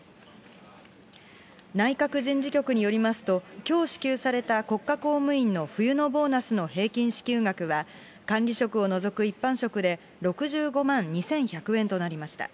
内閣人事局によりますと、きょう支給された国家公務員の冬のボーナスの平均支給額は、管理職を除く一般職で６５万２１００円となりました。